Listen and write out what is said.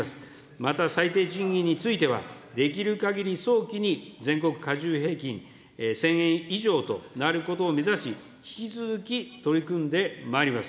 また、最低賃金については、できるかぎり早期に全国加重平均、１０００円以上となることを目指し、引き続き取り組んでまいります。